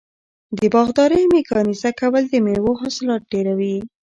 د باغدارۍ میکانیزه کول د میوو حاصلات ډیروي.